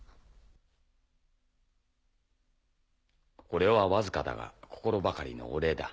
これはわずかだが心ばかりのお礼だ。